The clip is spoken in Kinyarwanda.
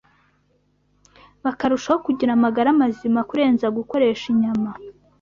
bakarushaho kugira amagara mazima kurenza gukoresha inyama.